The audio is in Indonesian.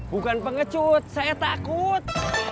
bukan pengecut saya takut